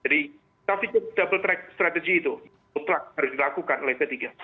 saya pikir double track strategy itu mutlak harus dilakukan oleh p tiga